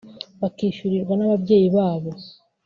bakishyurirwa n’ababyeyi babo